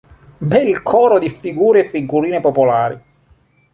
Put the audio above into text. Bel coro di figure e figurine popolari.